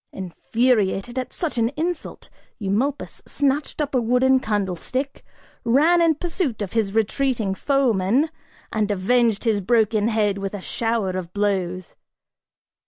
Infuriated at such an insult, Eumolpus snatched up a wooden candlestick, ran in pursuit of his retreating foeman, and avenged his broken head with a shower of blows.